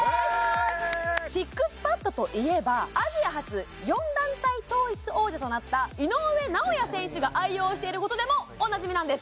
ＳＩＸＰＡＤといえばアジア初４団体統一王者となった井上尚弥選手が愛用していることでもおなじみなんです